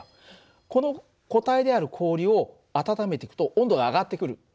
この固体である氷を温めていくと温度が上がってくる。